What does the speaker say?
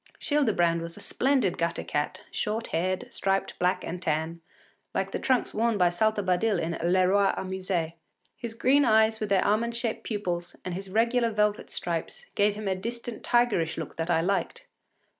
Childebrand was a splendid gutter cat, short haired, striped black and tan, like the trunks worn by Saltabadil in “le Roi s’amuse.” His great green eyes with their almond shaped pupils, and his regular velvet stripes, gave him a distant tigerish look that I liked.